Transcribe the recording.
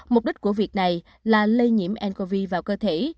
mục đích của việc này là lây nhiễm ncov vào cơ thể